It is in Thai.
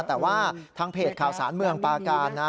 แต่ว่าทางเพจข่าวสารเมืองปาการนะ